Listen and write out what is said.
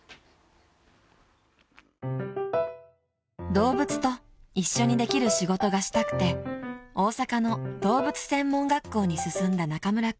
［動物と一緒にできる仕事がしたくて大阪の動物専門学校に進んだ中村君］